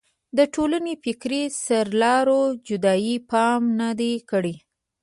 د ټولنې فکري سرلارو جدي پام نه دی کړی.